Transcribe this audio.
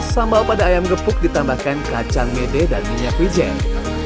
sambal pada ayam gepuk ditambahkan kacang mede dan minyak wijen